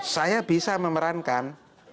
saya bisa memerankan